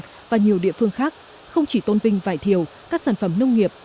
bắc giang và nhiều địa phương khác không chỉ tôn vinh vài thiều các sản phẩm nông nghiệp